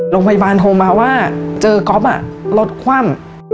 โรงพยาบาลโทรมาว่าเจอก๊อฟรถคว่ำ